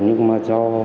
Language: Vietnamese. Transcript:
nhưng mà do